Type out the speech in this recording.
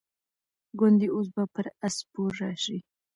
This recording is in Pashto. ګوندي اوس به پر آس سپور راشي.